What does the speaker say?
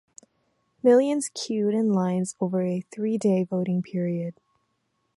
Millions queued in lines over a three-day voting period.